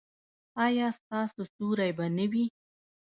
ایا ستاسو سیوری به نه وي؟